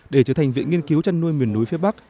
để trở thành viện nghiên cứu chăn nuôi miền núi phía bắc